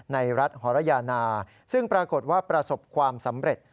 ในรัฐหรยานาซึ่งปรากฏว่าประสบความสำเร็จ